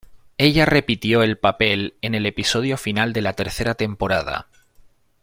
Ella repitió el papel en el episodio final de la tercera temporada.